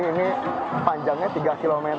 ini panjangnya tiga km